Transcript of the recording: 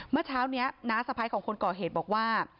เมื่อเช้านี้น้าสะพ้ายของคนก่อเหตุบอกว่า